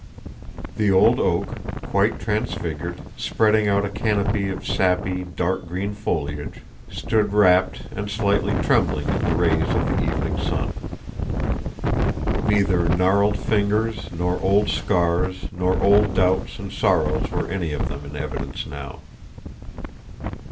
The old oak, quite transfigured, spreading out a canopy of sappy dark green foliage, stood rapt and slightly trembling in the rays of the evening sun. Neither gnarled fingers nor old scars nor old doubts and sorrows were any of them in evidence now.